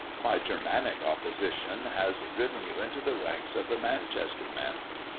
My Germanic opposition has driven you into the ranks of the Manchester men.